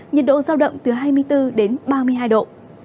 nhiệt độ giao động từ hai mươi bốn đến ba mươi hai độ